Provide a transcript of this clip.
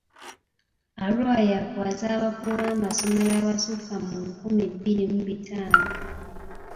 Arua ya kwaza abakulu b'amasomero abasukka mu nkumi bbiri mu bitaano.